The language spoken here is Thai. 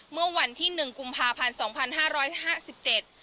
เมื่อวันที่๑กุมภาพันธุ์๒๕๕๗